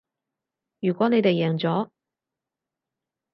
如果你哋贏咗